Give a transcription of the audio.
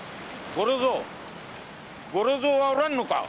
五六蔵はおらんのか？